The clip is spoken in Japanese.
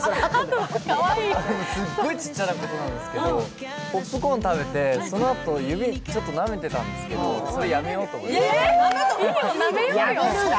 すごい小さいことなんですけど、ポップコーン食べて、そのあと、指ちょっとなめてたんですけど、いいよ、なめようよ。